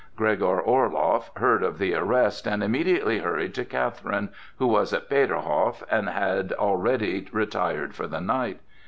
Gregor Orloff heard of the arrest and immediately hurried to Catherine, who was at Peterhof and had already retired for the night.